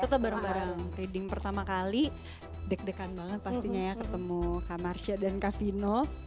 kita bareng bareng preding pertama kali deg degan banget pastinya ya ketemu kak marsha dan kak vino